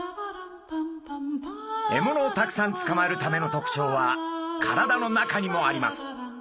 獲物をたくさんつかまえるための特徴は体の中にもあります。